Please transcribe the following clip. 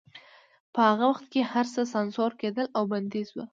په هغه وخت کې هرڅه سانسور کېدل او بندیز و